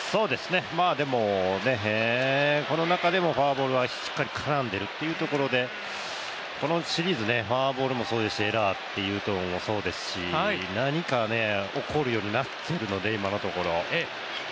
でもね、この中でもフォアボールはしっかり絡んでいるということでこのシリーズ、フォアボールもそうですし、エラーっていうところもそうですし何か起こるようになっているので、今のところ。